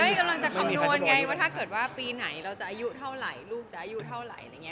ก็ยังกำลังจะคำนวณไงว่าถ้าเกิดว่าปีไหนเราจะอายุเท่าไหร่